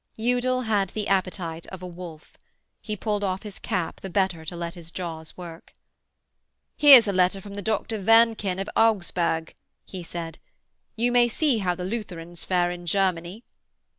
Udal had the appetite of a wolf. He pulled off his cap the better to let his jaws work. 'Here's a letter from the Doctor Wernken of Augsburg,' he said. 'You may see how the Lutherans fare in Germany.'